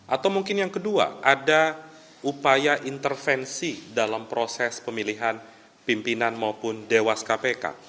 atau mungkin yang kedua ada upaya intervensi dalam proses pemilihan pimpinan maupun dewas kpk